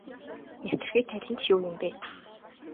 Нэвтэрхий толь нь ч юу юм бэ.